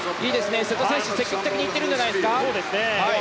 瀬戸選手、積極的に行ってるんじゃないですか。